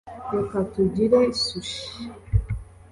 reka tugire sushi